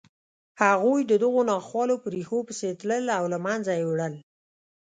هغوی د دغو ناخوالو په ریښو پسې تلل او له منځه یې وړل